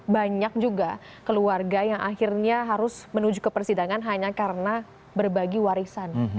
banyak juga keluarga yang akhirnya harus menuju ke persidangan hanya karena berbagi warisan